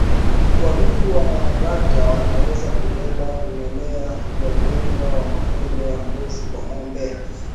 Wadudu wanaongata wanaweza kubeba vimelea vya ugonjwa wa mapele ya ngozi kwa ngombe